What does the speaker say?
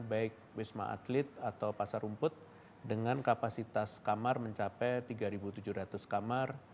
baik wisma atlet atau pasar rumput dengan kapasitas kamar mencapai tiga tujuh ratus kamar